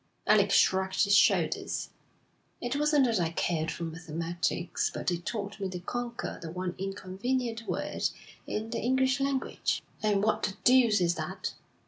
Alec shrugged his shoulders. 'It wasn't that I cared for mathematics, but it taught me to conquer the one inconvenient word in the English language.' 'And what the deuce is that?'